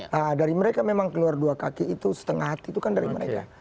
nah dari mereka memang keluar dua kaki itu setengah hati itu kan dari mereka